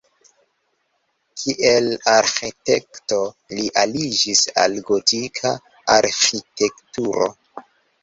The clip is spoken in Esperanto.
Kiel arĥitekto li aliĝis al gotika arĥitekturo.